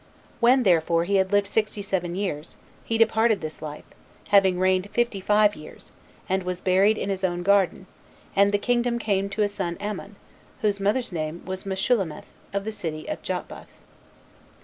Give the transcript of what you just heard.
When therefore he had lived sixty seven years, he departed this life, having reigned fifty five years, and was buried in his own garden; and the kingdom came to his son Amon, whose mother's name was Meshulemeth, of the city of Jotbath.